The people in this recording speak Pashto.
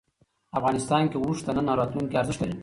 افغانستان کې اوښ د نن او راتلونکي ارزښت لري.